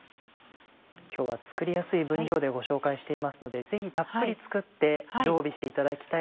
今日は作りやすい分量でご紹介していますのでぜひたっぷり作って常備していただきたい。